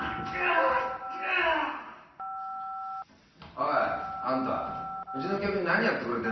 おいあんたうちの客に何やってくれてんだよ。